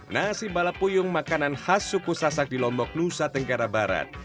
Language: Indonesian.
nasi balapuyung makanan khas suku sasak di lombok nusa tenggara barat